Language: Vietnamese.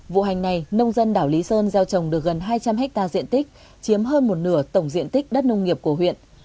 vụ hành này nông dân đảo lý sơn gieo trồng được gần hai trăm linh hectare diện tích chiếm hơn một nửa tổng diện tích đất nông nghiệp của huyện